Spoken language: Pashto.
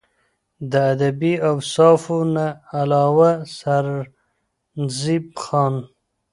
د ادبي اوصافو نه علاوه سرنزېب خان